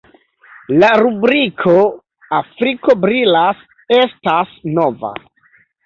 La rubriko "Afriko brilas" estas nova.